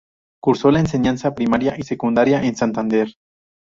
Cursó la enseñanza primaria y secundaria en Santander.